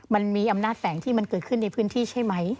มันมีอำนาจแฝงที่มันเกิดขึ้นในพื้นที่ใช่ไหม